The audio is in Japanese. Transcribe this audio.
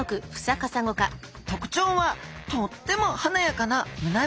特徴はとっても華やかな胸びれ。